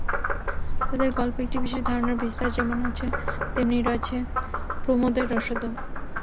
তাঁদের গল্পে একটি বিশেষ ধারণার বিস্তার যেমন আছে, তেমনি রয়েছে প্রমোদের রসদও।